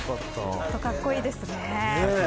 本当に格好いいですね。